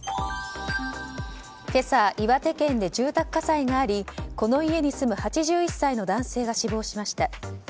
今朝、岩手県で住宅火災がありこの家に住む８１歳の男性が死亡しました。